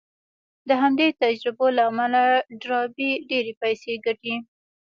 د همدې تجربو له امله ډاربي ډېرې پيسې ګټي.